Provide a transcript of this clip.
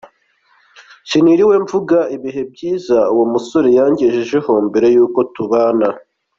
Siniriwe mvuga ibihe byiza uwo musore yangejejeho mbere y’uko tubana.